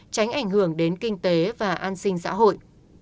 tránh ảnh hưởng đến kinh tế và an sinh xã hội